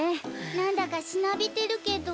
なんだかしなびてるけど。